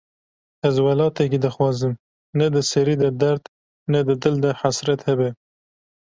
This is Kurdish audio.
Ez welatekî dixwazim, ne di serî de derd, ne di dil de hesret hebe